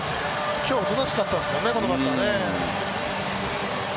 今日おとなしかったですよね、このバッターね。